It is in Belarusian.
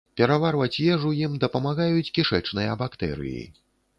Пераварваць ежу ім дапамагаюць кішэчныя бактэрыі.